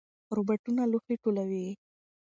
روباټونه لوښي ټولوي.